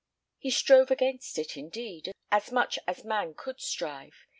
He strove against it, indeed, as much as man could strive.